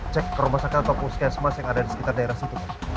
cek ke rumah sakit atau puskesmas yang ada di sekitar daerah situ